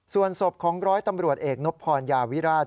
ส่วนศพของร้อยตำรวจเอกนพรยาวิราช